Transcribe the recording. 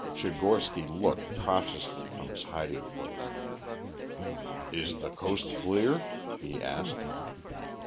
Tchigorsky looked cautiously from his hiding place. "Is the coast clear?" he asked.